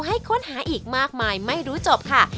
ให้ค้นหาอีกมากมายไม่รู้จบค่ะ